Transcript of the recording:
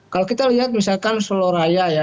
kalau kita lihat misalkan seluraya ya